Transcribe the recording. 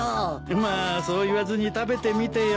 まあそう言わずに食べてみてよ。